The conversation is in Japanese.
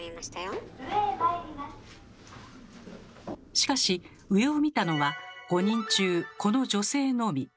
しかし上を見たのは５人中この女性のみ。